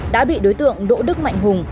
đã bị đối tượng đỗ đức mạnh hùng